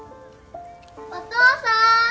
お父さん！